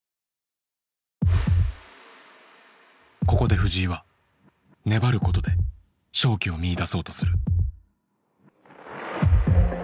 ここで藤井は粘ることで勝機を見いだそうとする。